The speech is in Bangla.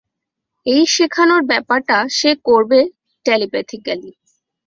এই শেখানোর ব্যাপারটা সে করবে-টেলিপ্যাথিকেলি।